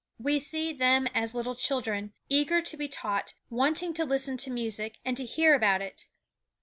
We see them as little children, eager to be taught, wanting to listen to music, and to hear about it.